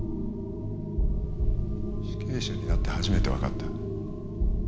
死刑囚になって初めてわかった。